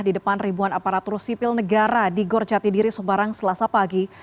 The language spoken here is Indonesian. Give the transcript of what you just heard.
di depan ribuan aparatur sipil negara di gorjati diri sebarang selasa pagi